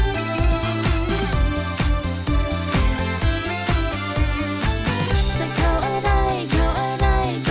ติดเกาะอะไร